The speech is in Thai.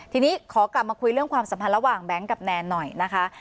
ทีนี้ขอกลับมาคุยเรื่องความสัมพันธ์ระหว่างแบงค์กับแนนหน่อยนะคะ